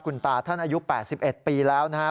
คุณตาท่านอายุ๘๑ปีแล้วนะครับ